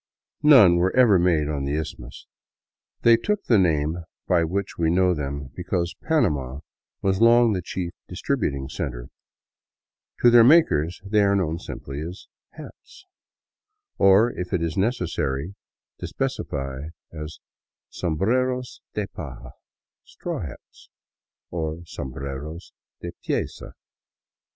None were ever made on the Isthmus ; they took the name by which we know them because Panama was long the chief distributing center. To 107 VAGABONDING DOWN THE ANDES their makers they are known simply as " hats," or, if it is necessary to specify, as sombreros de paja (straw hats), or sombreros de pieza.